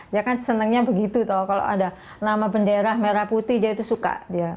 dia kan senengnya begitu kalau ada nama benderah merah putih dia itu suka